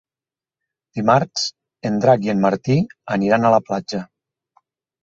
Dimarts en Drac i en Martí aniran a la platja.